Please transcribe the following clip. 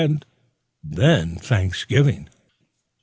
And then Thanksgiving!